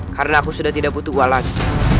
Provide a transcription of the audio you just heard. karena aku sudah tidak butuh ua lagi